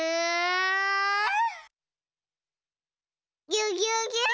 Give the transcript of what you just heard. ぎゅぎゅぎゅん。